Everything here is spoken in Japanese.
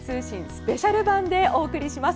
スペシャル版でお送りします。